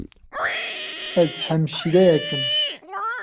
Ez hemşîreyek im.